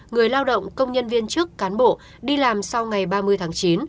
người lao động công nhân viên trước cán bộ đi làm sau ngày ba mươi tháng chín